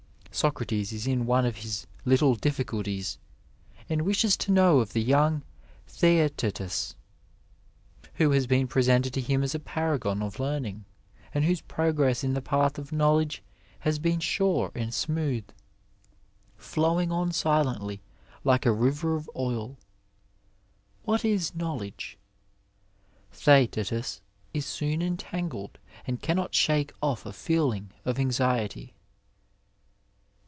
Socrates is in one of his ''little difficulties " and wishes to know of the young Thesetetus, who has been presented to him as a paragon of learning, and whose progress in the path of knowledge has been sure and smooth —" flowing on silently like a river of oil "— what is knowledge? Theaetetus is soon entangled and cannot shake off a feeling of anxiety.